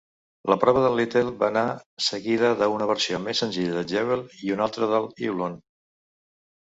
La prova d"en Little va anar seguida d"una versió més senzilla de"n Jewel i una altra de l"Eulon.